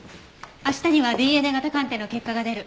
明日にはＤＮＡ型鑑定の結果が出る。